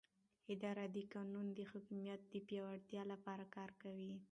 اداره د قانون د حاکمیت د پیاوړتیا لپاره کار کوي.